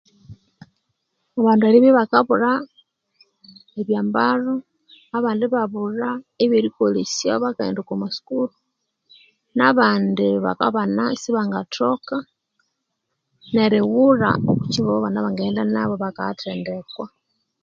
Abandu eribya bakabulha ebyambalhu abandi ibabulha ebyerikolesya bakaghenda okwa ma sukuru na bandi bakabana isibangathoka nerighulha obukyimba obwa abana bangaghenda nabo bakaya thendekwa